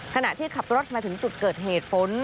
ขณะที่ขับรถมาถึงจุดเกิดเหตุฝน